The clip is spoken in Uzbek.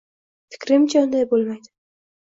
Fikrimcha, unday bo'lmaydi.